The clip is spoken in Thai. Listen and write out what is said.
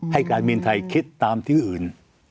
การบินไทยคิดตามที่อื่น